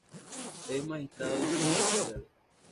Es magistrado en ciencias sociales.